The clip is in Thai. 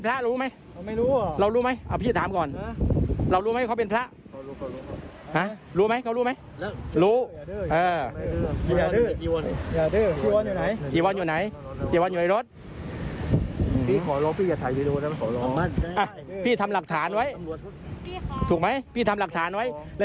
ที่ไหนที่ไหนที่ไหนอ่ะพี่ออกมาดูสิ